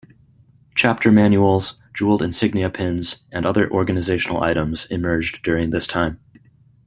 Chapter manuals, jeweled insignia pins, and other organizational items emerged during this time.